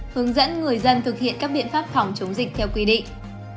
hướng dẫn người dân thực hiện các biện pháp phòng chống dịch theo quy định